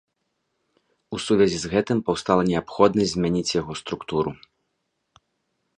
У сувязі з гэтым паўстала неабходнасць змяніць яго структуру.